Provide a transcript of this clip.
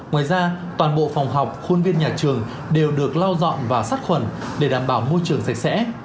ngoài ra toàn bộ phòng học khuôn viên nhà trường đều được lau dọn và sát khuẩn để đảm bảo môi trường sạch sẽ